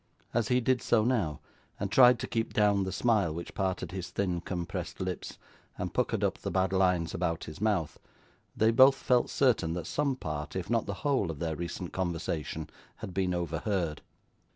As he did so now, and tried to keep down the smile which parted his thin compressed lips, and puckered up the bad lines about his mouth, they both felt certain that some part, if not the whole, of their recent conversation, had been overheard.